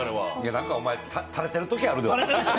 なんか、お前、垂れてるときあるで。